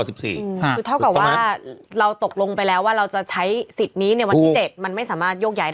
คือเท่ากับว่าเราตกลงไปแล้วว่าเราจะใช้สิทธิ์นี้ในวันที่๗มันไม่สามารถโยกย้ายได้